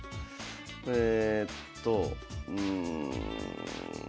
えっとうん。